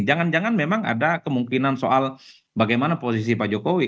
jangan jangan memang ada kemungkinan soal bagaimana posisi pak jokowi